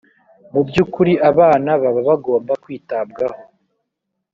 mu by’ukuri abana baba bagomba kwitabwaho